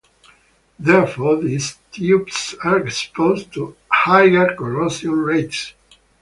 Therefore these tubes are exposed to higher corrosion rates.